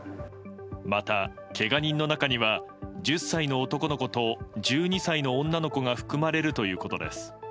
また、けが人の中には１０歳の男の子と１２歳の女の子が含まれるということです。